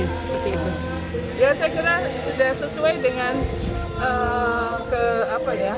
ya saya kira sudah sesuai dengan ke apa ya